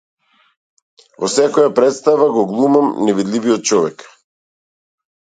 Во секоја претстава го глумам невидливиот човек!